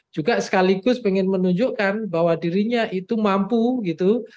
juga sekaligus pengen menunjukkan bahwa dirinya itu mampu gitu